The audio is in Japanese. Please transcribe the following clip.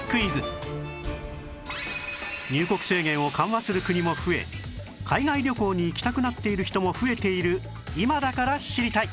入国制限を緩和する国も増え海外旅行に行きたくなっている人も増えている今だから知りたい！